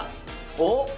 おっ。